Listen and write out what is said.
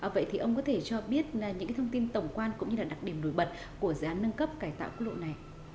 vậy thì ông có thể cho biết là những thông tin tổng quan cũng như là đặc điểm nổi bật của dự án nâng cấp cải tạo quốc lộ này